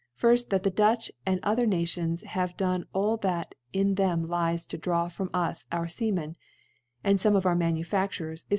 Firrt, That the Dutch and other Nations iave done all that in them Hcs» to draw from u8 our Seamen, and fome of our Ma nufacturers, is.